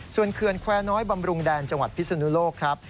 ส่วนเขื่อนแควร์น้อยบำรุงแดนจังหวัดพิศนุโลกครับ